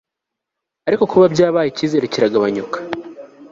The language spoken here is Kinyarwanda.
ariko ku babyaye icyizere kiragabanyuka